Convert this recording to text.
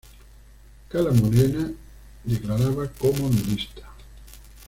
Cala Morena: declarada como nudista